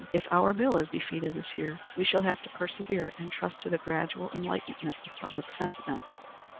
If our bill is defeated this year, we shall have to persevere and trust to the gradual enlightenment of public sentiment.